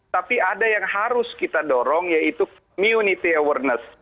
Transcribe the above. tapi ada yang harus kita dorong yaitu community awareness